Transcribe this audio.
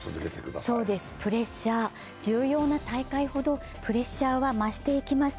そうです、プレッシャー、重要な大会ほどプレッシャーは増していきます。